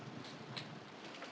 jadi kalau saya